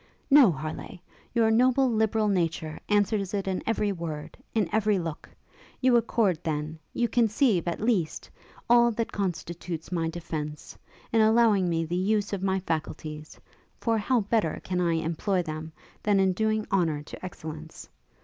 'No, Harleigh! your noble, liberal nature answers it in every word, in every look! You accord, then, you conceive, at least, all that constitutes my defence, in allowing me the use of my faculties; for how better can I employ them than in doing honour to excellence?